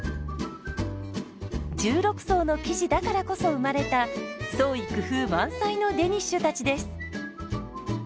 １６層の生地だからこそ生まれた創意工夫満載のデニッシュたちです。